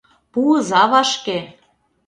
Пуыза вашке!